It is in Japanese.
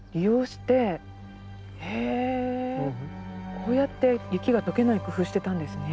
こうやって雪が解けない工夫してたんですね。